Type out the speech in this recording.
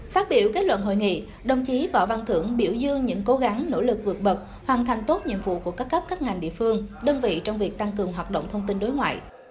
phát biểu kết luận hội nghị đồng chí võ văn thưởng biểu dương những cố gắng nỗ lực vượt bậc hoàn thành tốt nhiệm vụ của các cấp các ngành địa phương đơn vị trong việc tăng cường hoạt động thông tin đối ngoại